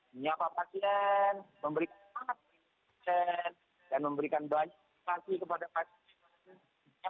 menyapa pasien memberikan pasien dan memberikan banyak kasih kepada pasien